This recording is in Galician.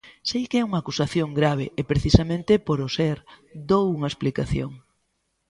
Sei que é unha acusación grave e precisamente por o ser, dou unha explicación.